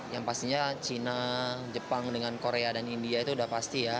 yang pastinya cina jepang dengan korea dan india itu sudah pasti ya